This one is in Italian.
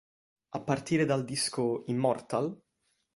A partire dal disco "Immortal?